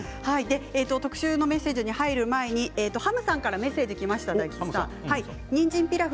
特集のメッセージに入る前にハムさんからメッセージがきました、大吉さんにんじんピラフ